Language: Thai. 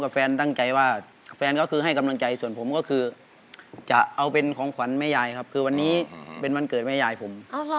แฟนตั้งใจว่าแฟนก็คือให้กำลังใจส่วนผมก็คือจะเอาเป็นของขวัญแม่ยายครับคือวันนี้เป็นวันเกิดแม่ยายผม